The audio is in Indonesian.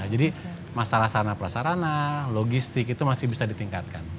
jadi masalah sarana prasarana logistik itu masih bisa ditingkatkan